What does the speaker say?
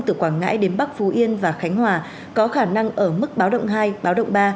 từ quảng ngãi đến bắc phú yên và khánh hòa có khả năng ở mức báo động hai báo động ba